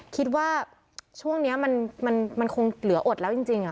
คิดว่าช่วงนี้มันคงเหลืออดแล้วจริง